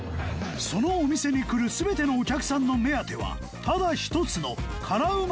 そのお店に来る全てのお客さんの目当てはただ一つの辛ウマラーメン